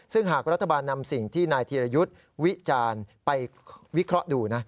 ซึ่งหากรัฐบาลนำสิ่งที่นายธีรยุทธ์วิจารณ์ไปวิเคราะห์ดูนะ